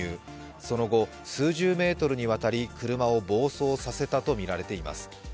その後、数十メートルにわたり車を暴走させたとみられています。